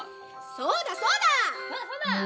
そうだそうだ！